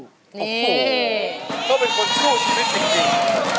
ก็เป็นคนสู้ชีวิตจริง